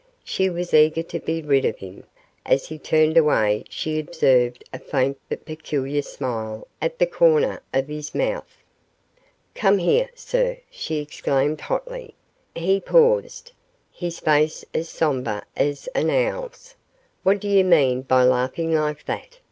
She was eager to be rid of him. As he turned away she observed a faint but peculiar smile at the corner of his mouth. "Come here, sir!" she exclaimed hotly. He paused, his face as sombre as an owl's. "What do you mean by laughing like that?"